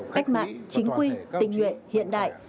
cách mạng chính quyền tình nguyện hiện đại